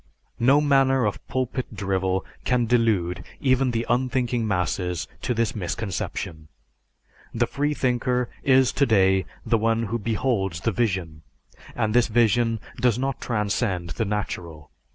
No manner of pulpit drivel can delude even the unthinking masses to this misconception. The freethinker is today the one who beholds the vision, and this vision does not transcend the natural.